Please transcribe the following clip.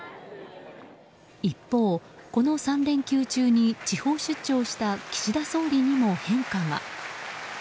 一方、この３連休中に地方出張した岸田総理にも変化が。